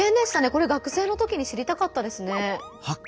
これ学生のときに知りたかったですね。